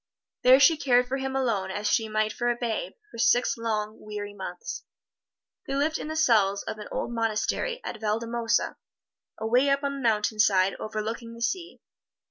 There she cared for him alone as she might for a babe, for six long, weary months. They lived in the cells of an old monastery at Valdemosa, away up on the mountainside overlooking the sea.